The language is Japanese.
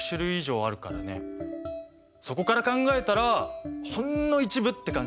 そこから考えたらほんの一部って感じだよ。